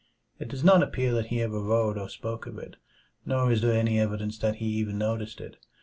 It does not appear that he ever wrote or spoke of it, nor is there any evidence that he even noticed it.